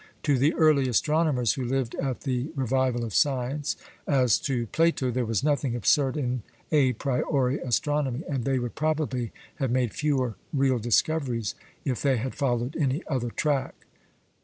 To the early astronomers, who lived at the revival of science, as to Plato, there was nothing absurd in a priori astronomy, and they would probably have made fewer real discoveries of they had followed any other track.